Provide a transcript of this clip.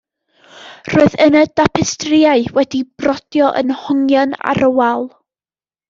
Roedd yna dapestrïau wedi'u brodio yn hongian ar y wal.